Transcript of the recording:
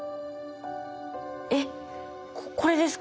えっこれですか？